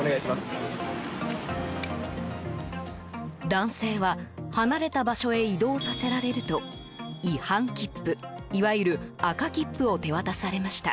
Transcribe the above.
男性は、離れた場所へ移動させられると違反切符、いわゆる赤切符を手渡されました。